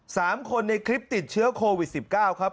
สามคนในคลิปติดเชื้อโควิดสิบเก้าครับ